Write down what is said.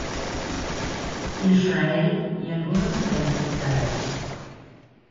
Israel y algunos países árabes.